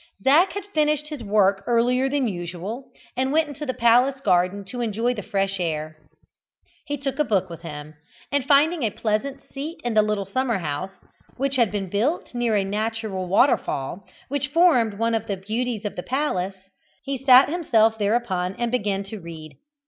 Zac had finished his work earlier than usual, and went into the palace garden to enjoy the fresh air. He took a book with him, and finding a pleasant seat in a little summer house, which had been built near a natural waterfall which formed one of the beauties of the place, he sat himself thereupon, and began to read.